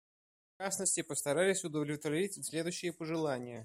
Мы, в частности, постарались удовлетворить следующие пожелания.